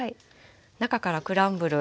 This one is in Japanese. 中からクランブル。